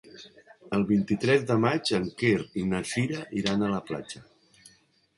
El vint-i-tres de maig en Quer i na Cira iran a la platja.